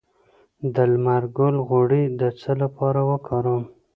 د لمر ګل غوړي د څه لپاره وکاروم؟